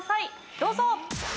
どうぞ。